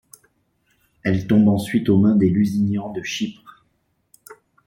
Elle tombe ensuite aux mains des Lusignan de Chypre.